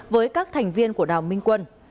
với các thành viên của đào minh quân